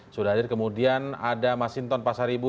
sudah hadir kemudian ada masinton pasaribu